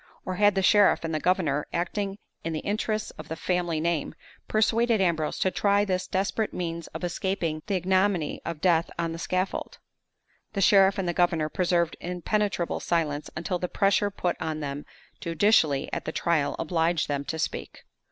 or had the sheriff and the governor, acting in the interests of the family name, persuaded Ambrose to try this desperate means of escaping the ignominy of death on the scaffold? The sheriff and the governor preserved impenetrable silence until the pressure put on them judicially at the trial obliged them to speak.